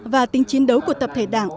và tính chiến đấu của tập thể đảng